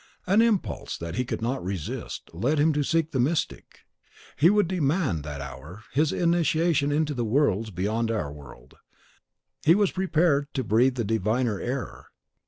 An impulse, that he could not resist, led him to seek the mystic. He would demand, that hour, his initiation into the worlds beyond our world, he was prepared to breathe a diviner air.